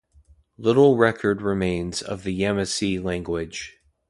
Little record remains of the Yamasee language.